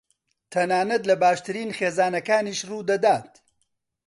تەنانەت لە باشترین خێزانەکانیش ڕوودەدات.